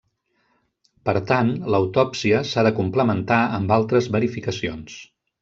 Per tant l'autòpsia s'ha de complementar amb altres verificacions.